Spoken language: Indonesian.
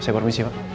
saya permisi pak